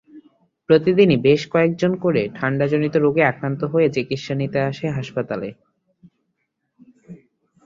প্রতিদিনই বেশ কয়েকজন করে ঠান্ডাজনিত রোগে আক্রান্ত হয়ে চিকিৎসা নিতে হাসপাতালে আসছে।